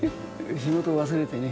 仕事を忘れてね。